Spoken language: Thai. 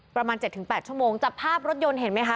ประมาณ๗๘ชั่วโมงจับภาพรถยนต์เห็นไหมคะ